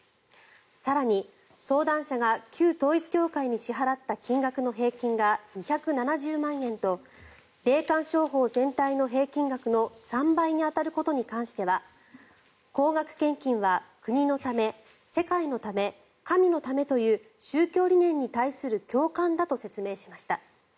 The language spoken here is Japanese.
更に、相談者が旧統一教会に支払った金額の平均が２７０万円と霊感商法全体の平均額の３倍に当たることに関しては高額献金は、国のため世界のため、神のためという宗教理念に対する共感だと説明しました。